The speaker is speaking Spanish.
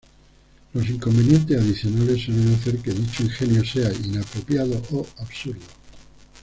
Los inconvenientes adicionales suelen hacer que dicho ingenio sea inapropiado o absurdo.